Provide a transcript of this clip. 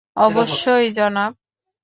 অবশ্যই, জনাব।